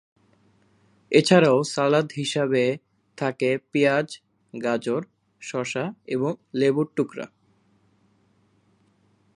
এছাড়াও সালাদ হিসাবে থাকে পিঁয়াজ, গাজর, শসা এবং লেবুর টুকরা।